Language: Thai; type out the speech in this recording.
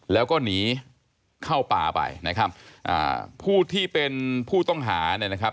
แล้วก็หนีเข้าป่าไปนะครับอ่าผู้ที่เป็นผู้ต้องหาเนี่ยนะครับ